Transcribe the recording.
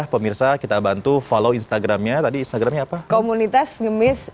pemirsa kita bantu follow instagramnya tadi instagramnya apa komunitas ngemis